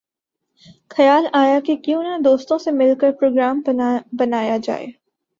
خیال آیا کہ کیوں نہ دوستوں سے مل کر پروگرام بنایا جائے